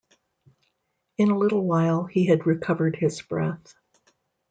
In a little while he had recovered his breath.